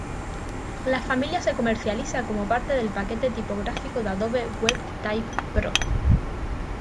La familia se comercializa como parte del paquete tipográfico de Adobe Web Type Pro.